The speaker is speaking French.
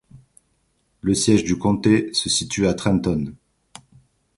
Le siège du comté se situe à Trenton.